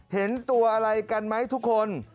เห็นตัวอะไรกันไหมทุกคน